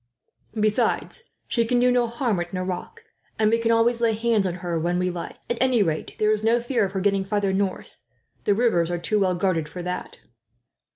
Besides, she can do no harm at Nerac; and we can always lay hands on her, when we like. At any rate, there is no fear of her getting farther north. The rivers are too well guarded for that."